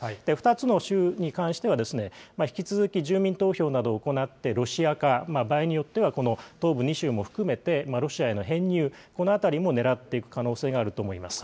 ２つの州に関しては、引き続き住民投票などを行ってロシア化、場合によっては、この東部２州も含めて、ロシアへの編入、このあたりも狙っていく可能性があると思います。